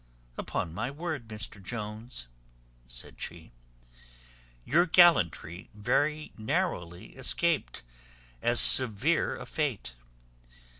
"Upon my word, Mr Jones," said she, "your gallantry very narrowly escaped as severe a fate.